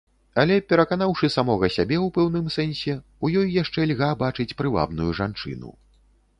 Але пераканаўшы самога сябе ў пэўным сэнсе, у ёй яшчэ льга бачыць прывабную жанчыну.